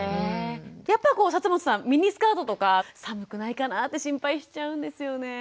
やっぱり本さんミニスカートとか寒くないかなって心配しちゃうんですよね。